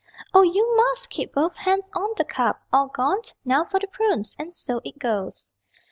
Oh, you must keep both hands on the cup. All gone? Now for the prunes.... And so it goes.